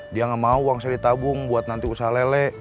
dia nggak mau uang saya ditabung buat nanti usaha lele